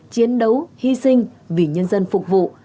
chiến đấu hy sinh vì nhân dân phục vụ